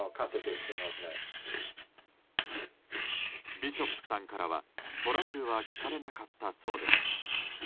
ビショップさんからはトラブルは聞かれなかったそうです。